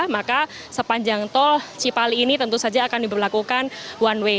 maka sepanjang tol cipali ini tentu saja akan diberlakukan one way